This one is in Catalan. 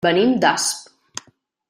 Venim d'Asp.